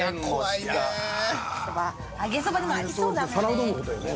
揚げそばでもありそうだもんね。